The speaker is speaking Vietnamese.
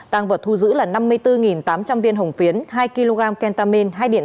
tang vật thu giữ là năm mươi bốn tám trăm linh viên hồng phiến hai kg kentamin